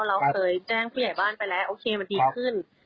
เราเคยแจ้งผู้ใหญ่บ้านไปแล้วโอเคมันดีขึ้น